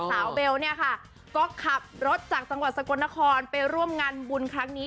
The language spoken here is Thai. แสวเบลก็ขับรถจากสังหวัดสกรณฑศนครไปร่วมงานบุญครั้งนี้